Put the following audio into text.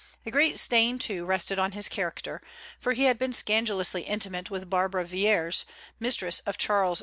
A great stain, too, rested on his character; for he had been scandalously intimate with Barbara Villiers, mistress of Charles II.